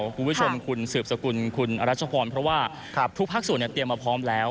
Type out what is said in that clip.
สุดท้ายคุณวิชมคุณสืบสกุลคุณรัชพรเพราะว่าทุกภาคส่วนเตรียมเป็นพร้อมแล้ว